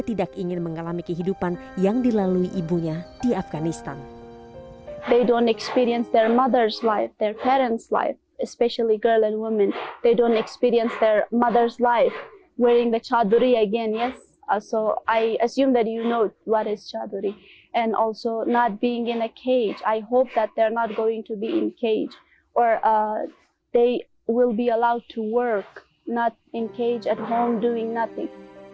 tetapi di indonesia dia tidak ingin mengalami kehidupan yang dilalui ibunya di afganistan